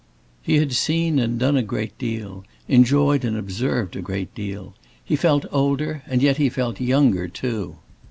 He had seen and done a great deal, enjoyed and observed a great deal; he felt older, and yet he felt younger too.